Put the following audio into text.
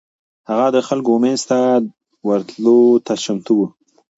هغه د خلکو منځ ته ورتلو ته چمتو و.